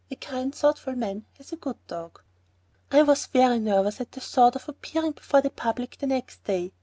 A kind, thoughtful man has a good dog." I was very nervous at the thought of appearing before the public the next day.